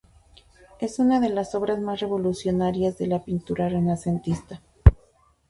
Es una de las obras más revolucionarias de la pintura renacentista.